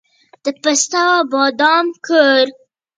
د پسته او بادام کور.